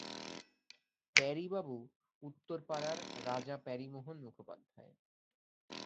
প্যারীবাবু উত্তরপাড়ার Raja Pyarimohan Mukhopadhyay.